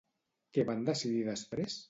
Què van decidir després?